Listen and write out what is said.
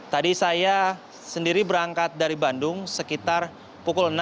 tadi saya sendiri berangkat dari bandung sekitar pukul enam